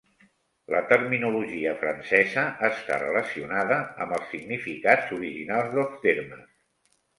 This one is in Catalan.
La terminologia francesa està relacionada amb els significats originals dels termes.